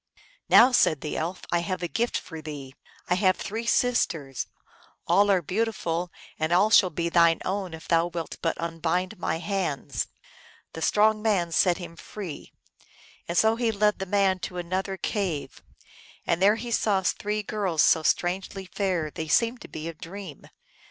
Now," said the Elf, " I have a gift for thee. I have three sisters : all are beautiful, and all shall be thine own if thou wilt but unbind my hands." The strong man set him free. And so he led the man to another cave, and there he saw three girls so strangely fair they seemed to be a dream.